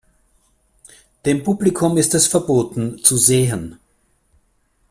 Dem Publikum ist es verboten, zu sehen!